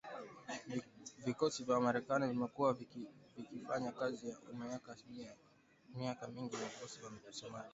Vikosi vya Marekani vimekuwa vikifanya kazi kwa miaka mingi na vikosi vya Somalia.